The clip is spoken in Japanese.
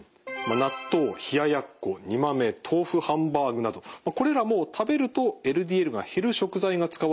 納豆冷ややっこ煮豆豆腐ハンバーグなどこれらも食べるとＬＤＬが減る食材が使われた料理ですね。